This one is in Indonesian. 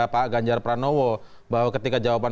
pak ganjar pranowo bahwa ketika jawaban